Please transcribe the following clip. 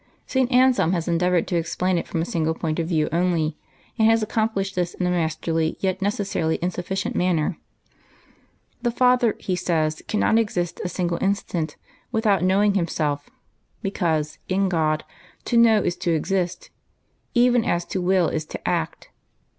St. Ansehn has endeavored to explain it from a single point of view only, and has accomplished this in a masterly yet necessarily insufficient manner. The Father, he says, cannot exist a single instant without knowing Himself, because, in God, to know is to exist, even as to will is to act.